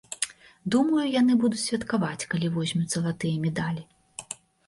Думаю, яны будуць святкаваць, калі возьмуць залатыя медалі.